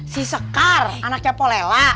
si sekar anaknya po lela